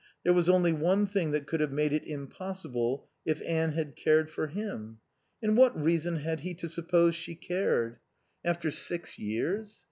There was only one thing that could have made it impossible if Anne had cared for him. And what reason had he to suppose she cared? After six years?